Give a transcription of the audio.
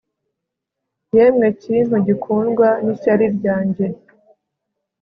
yemwe kintu gikundwa n'ishyari ryanjye